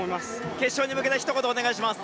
決勝に向けてひと言、お願いします。